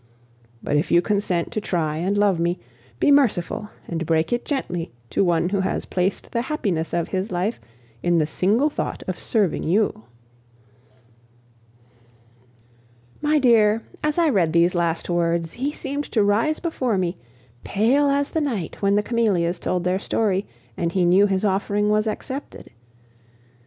But if you consent to try and love me, be merciful and break it gently to one who has placed the happiness of his life in the single thought of serving you." My dear, as I read these last words, he seemed to rise before me, pale as the night when the camellias told their story and he knew his offering was accepted.